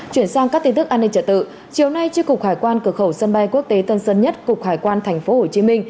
chuyển sang các tin tức an ninh trợ tự chiều nay tri cục hải quan cửa khẩu sân bay quốc tế tân sơn nhất cục hải quan tp hcm